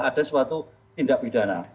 ada suatu tindak pidana